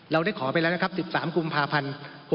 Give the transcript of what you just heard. เราได้ขอไปแล้วนะครับ๑๓กุมภาพันธ์๖๖